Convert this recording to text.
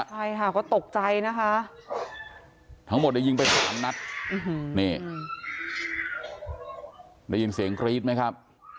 ใช่ค่ะก็ตกใจนะคะทั้งหมดได้ยิงไปสามนัดนี่ได้ยินเสียงกรี๊ดไหมครับ